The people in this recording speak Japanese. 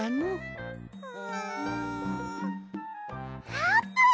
あーぷん！